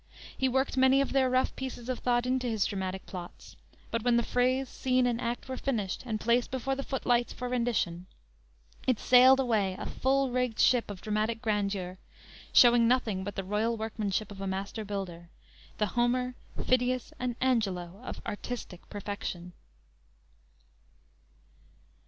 He worked many of their rough pieces of thought into his dramatic plots; but when the phrase, scene and act were finished and placed before the footlights for rendition, it sailed away, a full rigged ship of dramatic grandeur, showing nothing but the royal workmanship of a master builder, the Homer, Phidias and Angelo of artistic perfection.